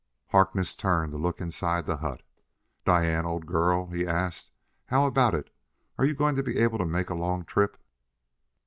Harkness turned to look inside the hut. "Diane, old girl," he asked, "how about it? Are you going to be able to make a long trip?"